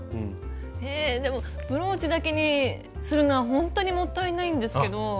でもブローチだけにするのはほんとにもったいないんですけど。